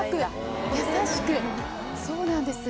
そうなんです。